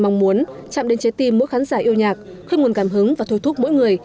mong muốn chạm đến trái tim mỗi khán giả yêu nhạc khơi nguồn cảm hứng và thôi thúc mỗi người